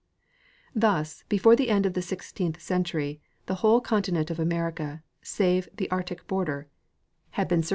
Thus, before the end of the sixteenth century, the whole con tinent of America, save the arctic border, had been circumnavi * Compiled by John B.